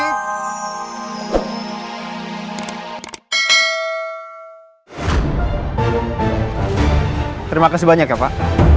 terima kasih banyak ya pak